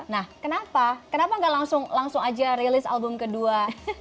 nah kenapa kenapa nggak langsung aja rilis album kedua